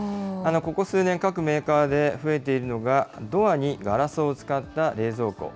ここ数年、各メーカーで増えているのが、ドアにガラスを使った冷蔵庫。